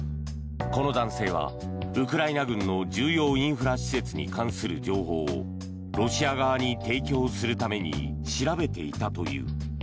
この男性はウクライナ軍の重要インフラ施設に関する情報をロシア側に提供するために調べていたという。